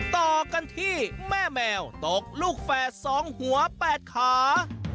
ต่อกันที่แม่แมวตกลูกแฝด๒หัว๘ขา